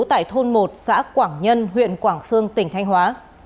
tại thôn một xã quảng nhân huyện quảng sương tỉnh thanh hóa